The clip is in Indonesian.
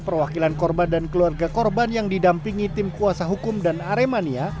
perwakilan korban dan keluarga korban yang didampingi tim kuasa hukum dan aremania